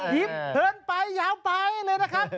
เพลินไปยาวไปเลยนะครับ